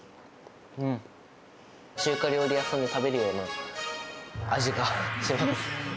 中華料理屋さんで食べるような味がします。